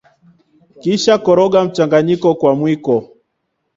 Kisha koroga mchanganyiko wao kwa mwiko